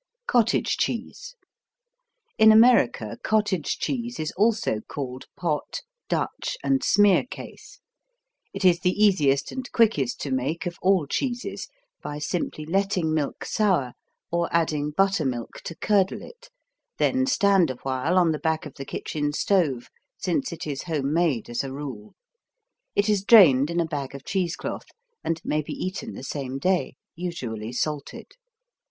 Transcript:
COTTAGE CHEESE In America cottage cheese is also called pot, Dutch and smearcase. It is the easiest and quickest to make of all cheeses, by simply letting milk sour, or adding buttermilk to curdle it, then stand a while on the back of the kitchen stove, since it is homemade as a rule. It is drained in a bag of cheesecloth and may be eaten the same day, usually salted.